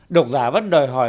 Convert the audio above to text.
độc giả vẫn đòi hỏi